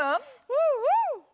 うんうん！